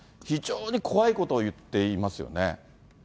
非常に怖いことを言っていますよね。